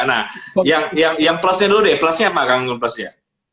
nah yang plusnya dulu deh plusnya apa kak menggunakan plusnya